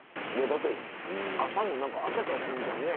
だって朝も開けた瞬間ね。